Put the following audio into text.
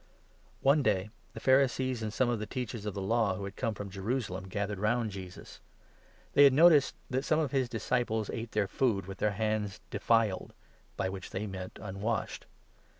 One day the Pharisees and some of the Teachers 1 Tht»i°lmedle8 of the Law who had come from Jerusalem gathered for neglecting round Jesus. They had noticed that some of his 2 ceremonies, disciples ate their food with their hands 'defiled,' by which they meant unwashed.